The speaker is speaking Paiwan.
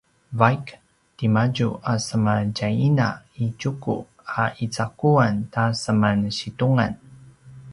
vaik timadju a sema tjay ina i Tjuku a icaquan ta seman situngan